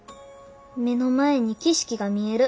目の前に景色が見える。